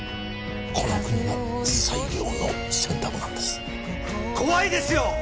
この国の最良の選択なんです怖いですよ！